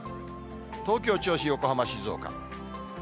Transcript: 東京、銚子、横浜、静岡。